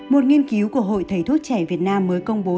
một nghiên cứu của hội thầy thuốc trẻ việt nam mới công bố